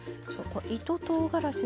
糸とうがらしの。